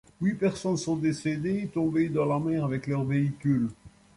Huit personnes sont décédées, tombées dans la mer avec leur véhicules.